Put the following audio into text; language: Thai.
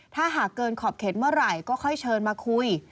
ถ้าหากเกินขอบเข็ดเมื่อไหร่ก็ค่อยเชิญมาคุย